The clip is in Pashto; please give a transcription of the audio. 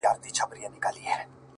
o د گلو كر نه دى چي څوك يې پــټ كړي؛